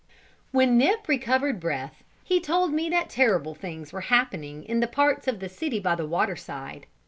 When Nip recovered breath, he told me that terrible things were happening in the parts of the city by the waterside.